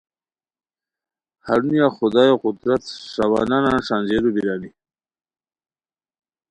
ہرونیہ خدایو قدرت ݰاوانانان ݰانجیرو بیرانی